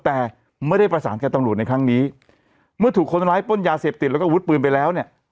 แต่ไม่ได้ประสานกับตำรวจในครั้งนี้เมื่อถูกคนร้ายป้นยาเสพติดแล้วก็อาวุธปืนไปแล้วเนี่ย